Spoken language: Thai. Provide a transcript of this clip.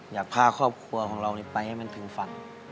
อยากพาครอบครัวของเราไปให้มันถึงฝัน